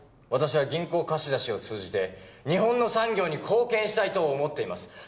私は銀行貸し出しを通じて日本の産業に貢献したいと思っています。